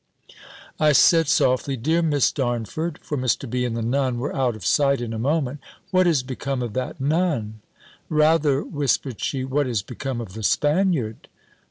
I said softly, "Dear Miss Darnford" (for Mr. B. and the Nun were out of sight in a moment), "what is become of that Nun?" "Rather," whispered she, "what is become of the Spaniard?"